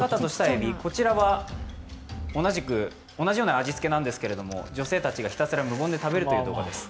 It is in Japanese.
こちらは同じような味付けなんですけれども女性たちがひたすら無言で食べるという動画です。